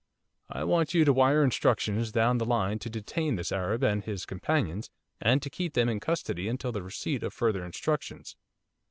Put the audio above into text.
I want you to wire instructions down the line to detain this Arab and his companions and to keep them in custody until the receipt of further instructions.